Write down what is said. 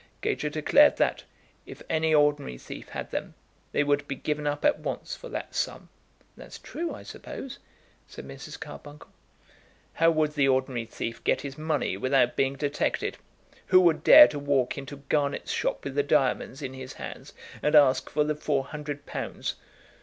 Gager declared that, if any ordinary thief had them, they would be given up at once for that sum." "That's true, I suppose," said Mrs. Carbuncle. "How would the ordinary thief get his money without being detected? Who would dare to walk into Garnett's shop with the diamonds in his hands and ask for the four hundred pounds?